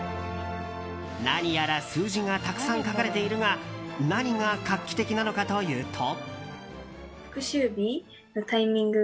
何やら数字がたくさん書かれているが何が画期的なのかというと。